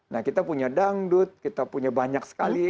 nah kita punya dangdut kita punya banyak sekali